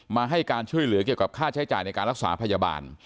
ให้การช่วยเหลือเกี่ยวกับค่าใช้จ่ายในการรักษาพยาบาล